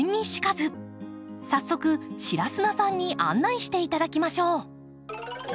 早速白砂さんに案内していただきましょう。